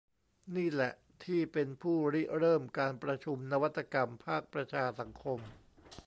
นี่แหละที่เป็นผู้ริเริ่มการประชุมนวัตกรรมภาคประชาสังคม